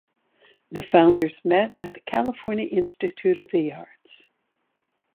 The founders met at the California Institute of the Arts.